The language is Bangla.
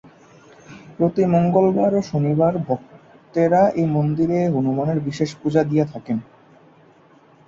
প্রতি মঙ্গলবার ও শনিবার ভক্তেরা এই মন্দিরে হনুমানের বিশেষ পূজা দিয়ে থাকেন।